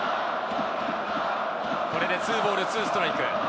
これで２ボール２ストライク。